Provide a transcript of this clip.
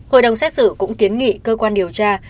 hội đồng xét xử cũng kiến nghị cơ quan điều tra